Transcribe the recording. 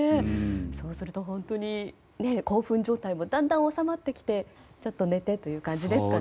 そうすると本当に興奮状態もだんだん収まってきてちょっと寝てという感じですかね？